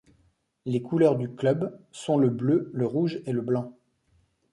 Les couleurs du club sont le bleu, le rouge et le blanc.